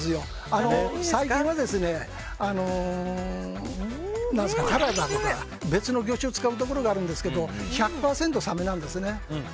最近はタラだとか、別の魚種を使うところがあるんですが１００％サメなんですね。